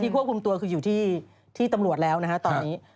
ควบคุมตัวคืออยู่ที่ตำรวจแล้วนะฮะตอนนี้